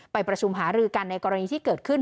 ประชุมหารือกันในกรณีที่เกิดขึ้น